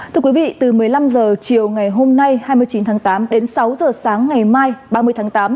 thưa quý vị từ một mươi năm h chiều ngày hôm nay hai mươi chín tháng tám đến sáu h sáng ngày mai ba mươi tháng tám